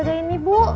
teguh ini bu